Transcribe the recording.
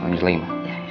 aduh mau jual lagi ma